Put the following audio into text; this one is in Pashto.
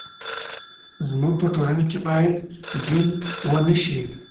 زموږ په ټولنه کې باید ډيل ونه شي.